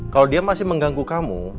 kalau dia masih mengganggu kamu